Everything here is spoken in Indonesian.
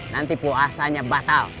nanti puasanya batal